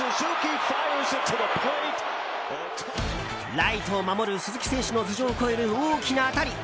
ライトを守る鈴木選手の頭上を越える大きな当たり！